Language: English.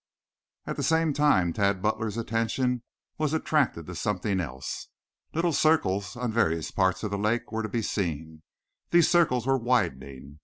At the same time Tad Butler's attention was attracted to something else. Little circles on various parts of the lake were to be seen. These circles were widening.